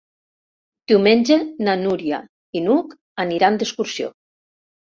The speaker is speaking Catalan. Diumenge na Núria i n'Hug aniran d'excursió.